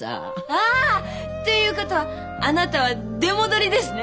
ああ！ということはあなたは出戻りですね？